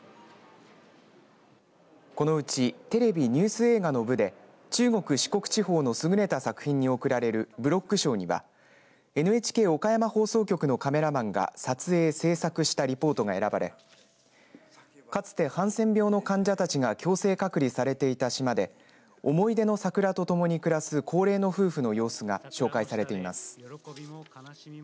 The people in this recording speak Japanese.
このうちテレビ・ニュース映画の部で中国・四国地方の優れた作品に贈られるブロック賞にはＮＨＫ岡山放送局のカメラマンが撮影、制作したリポートが選ばれかつてハンセン病の患者たちが強制隔離されていた島で思い出の桜と共に暮らす高齢の夫婦の様子が紹介されています。